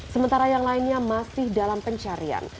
sementara yang lainnya masih dalam pencarian